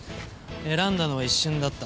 選んだのは一瞬だった。